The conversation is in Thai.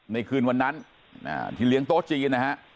ในคืนวันนั้นที่เลี้ยงโต๊ะจีนนะฮะ